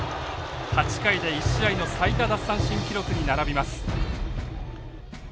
８回で１試合の最多奪三振記録に並びます。